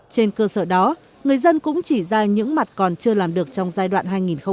trên cơ sở đó người dân cũng chỉ ra những mặt còn chưa làm được trong giai đoạn hai nghìn một mươi một hai nghìn hai mươi